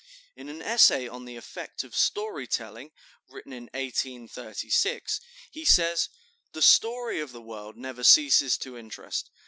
In an essay on the effect of story telling, written in 1836, he says: "The story of the world never ceases to interest.